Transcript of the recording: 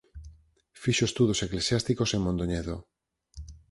Fixo estudos eclesiásticos en Mondoñedo.